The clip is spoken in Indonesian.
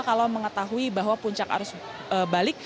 kalau mengetahui bahwa puncak arus balik